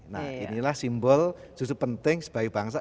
nah inilah simbol justru penting sebagai bangsa